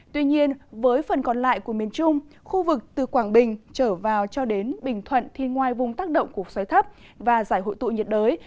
tuy nhiên với phần còn lại của miền trung khu vực từ quảng bình trở vào cho đến bình thuận thì ngoài vùng tác động của xoáy thấp và giải hội tụ nhiệt đới